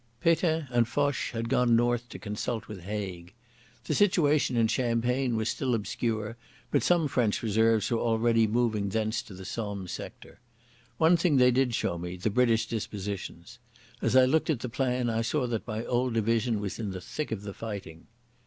Pétain and Foch had gone north to consult with Haig. The situation in Champagne was still obscure, but some French reserves were already moving thence to the Somme sector. One thing they did show me, the British dispositions. As I looked at the plan I saw that my old division was in the thick of the fighting.